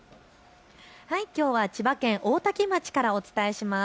きょうは千葉県大多喜町からお伝えします。